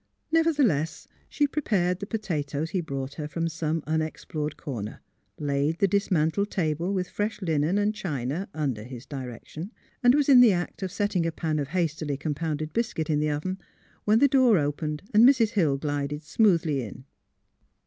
Nevertheless she prepared the potatoes he brought her from some unexplored corner; laid the dismantled table with fresh linen and china under his direction, and was in the act of setting a pan of hastily compounded biscuit in the oven, when the door opened and Mrs. Hill glided smoothly in.